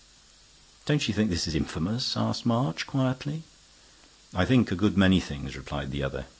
"Don't you think this is infamous?" asked March, quietly. "I think a good many things," replied the other.